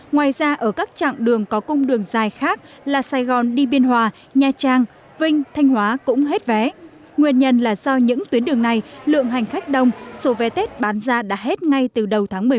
ngoài ra ở các trạng đường có cung đường dài khác là sài gòn đi biên hòa nha trang vinh thanh hóa cũng hết vé nguyên nhân là do những tuyến đường này lượng hành khách đông số vé tết bán ra đã hết ngay từ đầu tháng một mươi một